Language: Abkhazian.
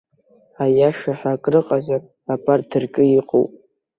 Аиашаҳәа акрыҟазар, абарҭ рҿы иҟоуп.